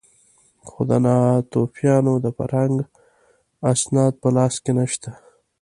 خو د ناتوفیانو د فرهنګ اسناد په لاس کې نه شته.